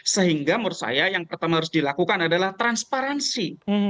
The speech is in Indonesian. sehingga menurut saya yang pertama harus dilakukan adalah transparansi